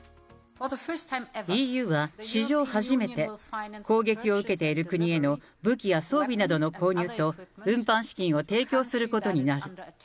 ＥＵは史上初めて、攻撃を受けている国への武器や装備などの購入と運搬資金を提供す